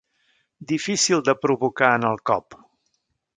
Difícil de provocar en el cop.